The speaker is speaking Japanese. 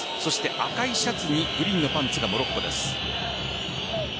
赤いシャツにグリーンのパンツがモロッコです。